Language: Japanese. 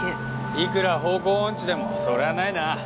いくら方向音痴でもそれはないな。